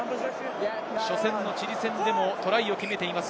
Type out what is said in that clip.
初戦のチリ戦でもトライを決めています。